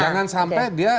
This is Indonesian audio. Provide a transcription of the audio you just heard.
jangan sampai dia